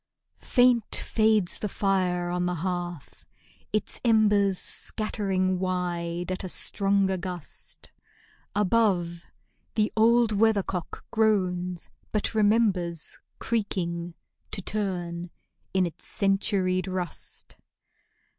Faint fades the fire on the hearth, its embers Scattering wide at a stronger gust. Above, the old weathercock groans, but remembers Creaking, to turn, in its centuried rust.